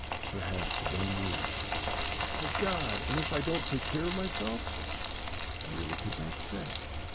"Perhaps one year." "My God! And if I don't take care of myself?" "I really could not say.